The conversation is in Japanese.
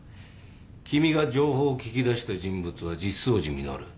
君が情報を聞き出した人物は実相寺実。